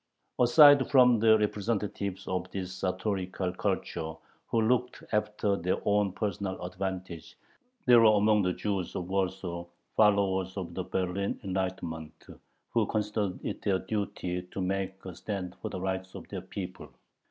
Aside from the representatives of this sartorial culture, who looked after their own personal advantage, there were among the Jews of Warsaw followers of the Berlin "enlightenment," who considered it their duty to make a stand for the rights of their people.